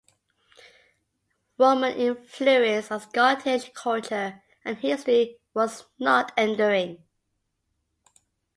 Roman influence on Scottish culture and history was not enduring.